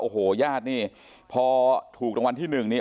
โอ้โหญาตินี่พอถูกตังวันที่๑นี่